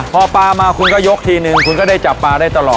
พอปลามาคุณก็ยกทีนึงคุณก็ได้จับปลาได้ตลอด